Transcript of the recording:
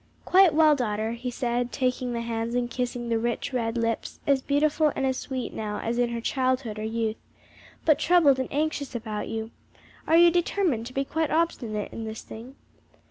"Quite well, daughter," he said, taking the hands and kissing the rich red lips, as beautiful and as sweet now, as in her childhood or youth, "but troubled and anxious about you. Are you determined to be quite obstinate in this thing?"